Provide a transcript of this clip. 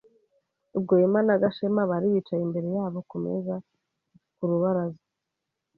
Rwema na Gashema bari bicaye imbere yabo ku meza ku rubaraza.